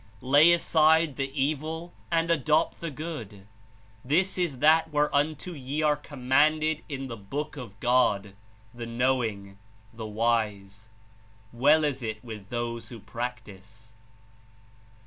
Lay aside the evil and adopt the good. This Is that where unto ye are commanded In the Book of God, the Knowing, the Wise. Well Is It with those who prac tice."